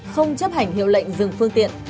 không chấp hành hiệu lệnh dừng phương tiện